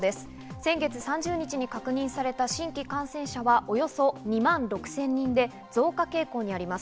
先月３０日に確認された新規感染者はおよそ２万６０００人で増加傾向にあります。